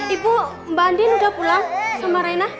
ibu mbak andin udah pulang sama reina